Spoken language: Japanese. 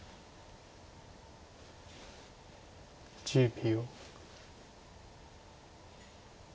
１０秒。